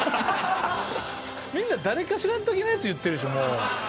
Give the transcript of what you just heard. みんな誰かしらんときのやつ言ってるでしょもう。